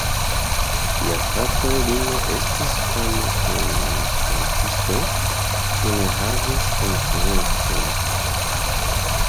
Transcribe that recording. Lia frato Lino estis fama kantisto, kiu ne havis konkurencon.